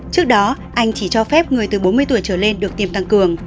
trước đó anh chỉ cho phép người từ bốn mươi tuổi trở lên được tiêm tăng cường